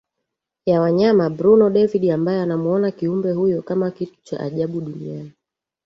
ya wanyama Bruno David ambaye anamuona kiumbe huyo kama kitu cha ajabu duniani